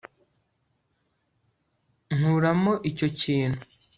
nkuramo icyo kintu